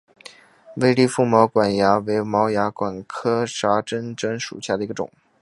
微粒腹毛管蚜为毛管蚜科真毛管蚜属下的一个种。